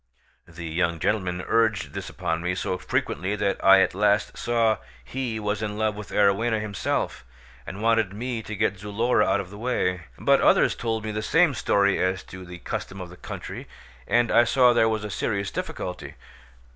The young gentleman urged this upon me so frequently that I at last saw he was in love with Arowhena himself, and wanted me to get Zulora out of the way; but others told me the same story as to the custom of the country, and I saw there was a serious difficulty.